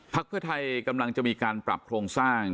เพื่อไทยกำลังจะมีการปรับโครงสร้าง